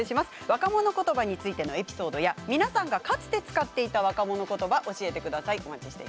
若者言葉についてのエピソードや皆さんが、かつて使っていた若者言葉を教えてください。